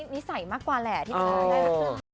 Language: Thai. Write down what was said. นี่ใส่มากกว่าแหละอาทิตยาได้มากกว่า